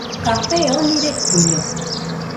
Café oni rekuiño